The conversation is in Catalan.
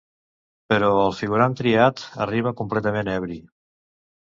Però el figurant triat arriba completament ebri.